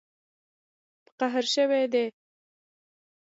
په قهر شوي دي